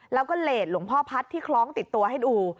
แล้วก็เลสหลวงพ่อพัฒน์ที่คล้องติดตัวให้ดู